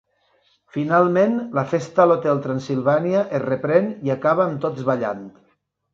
Finalment, la festa a l'Hotel Transsilvània es reprèn i acaba amb tots ballant.